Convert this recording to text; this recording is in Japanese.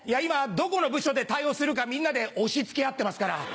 今どこの部署で対応するかみんなで押し付け合ってますから。